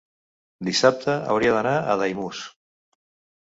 Dissabte hauria d'anar a Daimús.